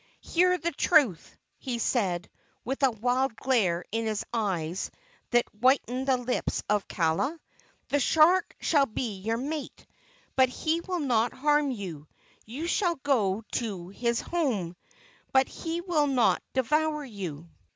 "Hear the truth!" he said, with a wild glare in his eyes that whitened the lips of Kaala. "The shark shall be your mate, but he will not harm you. You shall go to his home, but he will not devour you.